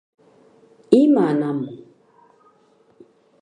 Ima namu?